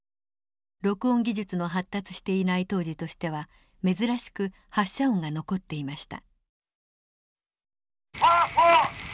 録音技術の発達していない当時としては珍しく発射音が残っていました。